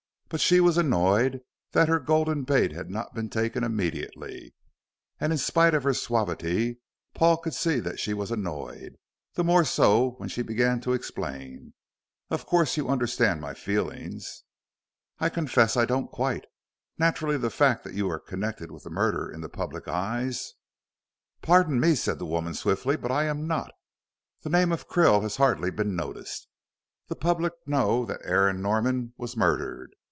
But she was annoyed that her golden bait had not been taken immediately, and, in spite of her suavity, Paul could see that she was annoyed, the more so when she began to explain. "Of course you understand my feelings." "I confess I don't quite. Naturally, the fact that you are connected with the murder in the public eyes " "Pardon me," said the woman, swiftly, "but I am not. The name of Krill has hardly been noticed. The public know that Aaron Norman was murdered.